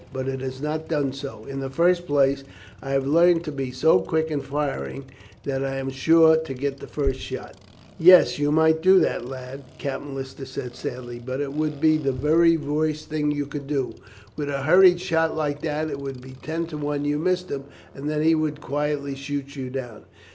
But it has not done so. In the first place, I have learnt to be so quick in firing that I am sure to get first shot." "Yes, you might do that, lad," Captain Lister said sadly; "but it would be the very worst thing you could do. With a hurried shot like that it would be ten to one you missed him, and then he would quietly shoot you down."